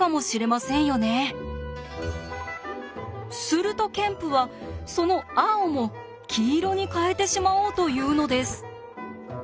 するとケンプはその青も黄色に変えてしまおうというのです。